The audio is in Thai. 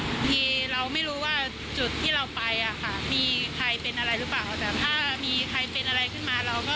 บางทีเราไม่รู้ว่าจุดที่เราไปอ่ะค่ะมีใครเป็นอะไรหรือเปล่าแต่ถ้ามีใครเป็นอะไรขึ้นมาเราก็